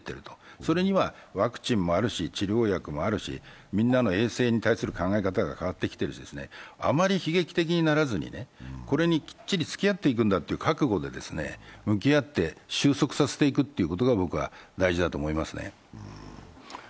それにはワクチンもあるし、治療薬もあるし、みんなの衛生に対する考え方が変わってきているし、あまり悲劇的にならずにこれにきっちりつきあっていくんだという覚悟で、向き合って、収束させていくということが僕は大事だと思いますね。